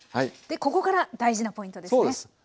でここから大事なポイントですね。